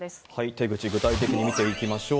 手口、具体的に見ていきましょう。